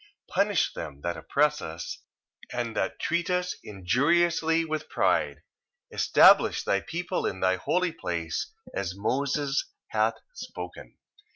1:28. Punish them that oppress us, and that treat us injuriously with pride. 1:29. Establish thy people in thy holy place, as Moses hath spoken.